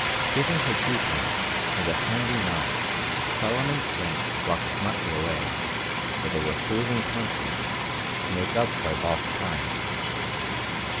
Giving her twopence, and a kindly nod, Solomon Flint walked smartly away with a reproving conscience to make up for lost time.